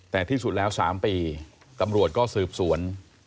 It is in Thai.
แต่ที่สุดแล้ว๓ปีตำรวจก็สืบสวน